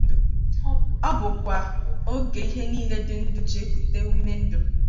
Ọ bụkwa oge ihe niile dị ndụ ji ekute ume ndụ